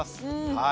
はい。